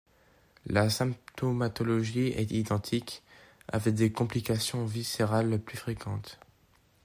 La symptomatologie est identique, avec des complications viscérales plus fréquentes.